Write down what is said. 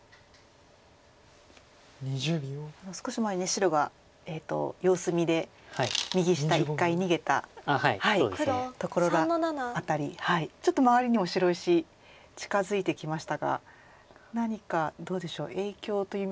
少し前に白が様子見で右下一回逃げたところ辺りちょっと周りにも白石近づいてきましたが何かどうでしょう影響といいますか。